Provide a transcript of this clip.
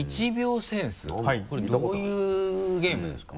これどういうゲームですか？